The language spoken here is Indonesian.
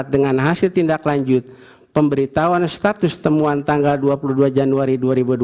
dengan hasil tindak lanjut pemberitahuan status temuan tanggal dua puluh dua januari dua ribu dua puluh